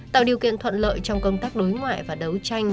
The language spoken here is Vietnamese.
tạo điều kiện thuận lợi trong công tác đối ngoại và đấu tranh